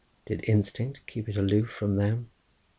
Did instinct keep it aloof from them?